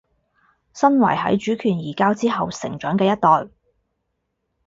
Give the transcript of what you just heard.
身為喺主權移交之後成長嘅一代